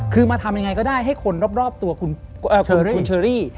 คือมาทำยังไงก็ได้ให้คนรอบตัวคุณเชอรี่